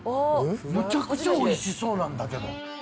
むちゃくちゃおいしそうなんだけど。